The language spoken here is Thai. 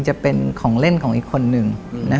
จะเป็นของเล่นของอีกคนนึง